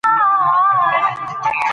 د ناسمو کړنو سمون يې منلی و.